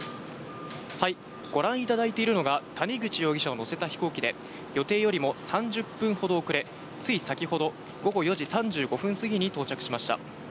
ご覧いただいているのが、谷口容疑者を乗せた飛行機で、予定よりも３０分ほど遅れ、つい先ほど、午後４時３５分過ぎに到着しました。